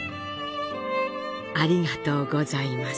ありがとうございます。